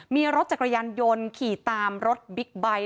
มีรถจักรยานยนต์ขี่ตามรถบิ๊กไบท์